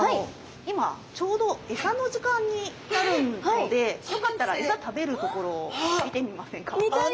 今ちょうどエサの時間になるのでよかったらエサ食べるところを見てみませんか？